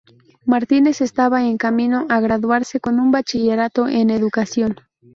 Martínez estaba en camino a graduarse con un bachillerato en Educación.